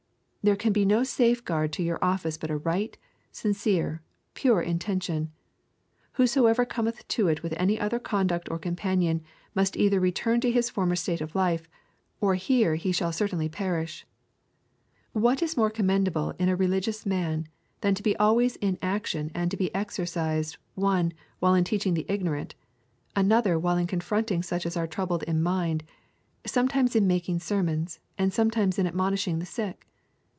There can be no safe guide to your office but a right, sincere, pure intention. Whosoever cometh to it with any other conduct or companion must either return to his former state of life, or here he shall certainly perish ... What is more commendable in a religious man than to be always in action and to be exercised one while in teaching the ignorant, another while in comforting such as are troubled in mind, sometimes in making sermons, and sometimes in admonishing the sick?